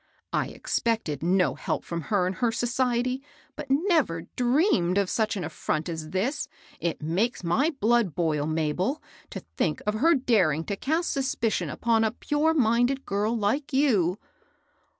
" I expected no help from her and her society, but never dreamed of such an afiront as this ! It makes my blood boil, Mabel, to think of her daring to cast suspicion upon a pure minded girl like you